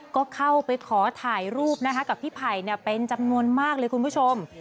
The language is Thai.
ก็เข้าไปขอถ่ายรูปนะคะกับพี่ไผ่เป็นจำนวนมากเลยคุณผู้ชม